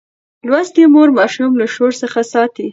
لوستې مور ماشوم له شور څخه ساتي.